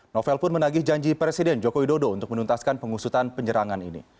novel pun menagih janji presiden joko widodo untuk menuntaskan pengusutan penyerangan ini